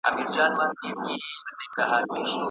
ښوونکی د زدهکوونکو اروايي اړتیا ته پام کوي.